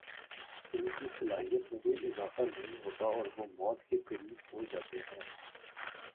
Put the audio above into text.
ان کی صلاحیت میں کوئی اضافہ نہیں ہوتا اور وہ موت کےقریب ہوجاتے ہیں